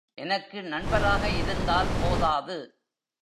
எனக்கு நண்பராக இருந்தால் போதாது.